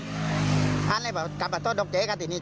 เพราะถูกทำร้ายเหมือนการบาดเจ็บเนื้อตัวมีแผลถลอก